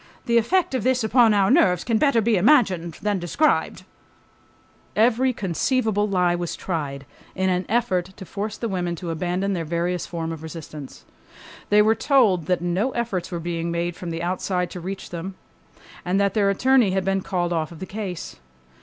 The effect of this upon our nerves can better be imagined than described .... Every conceivable lie was tried in an effort to force the women to abandon their various form of resistance. They were told that no efforts were being made from the outside to reach them, and that their attorney had been called off the case.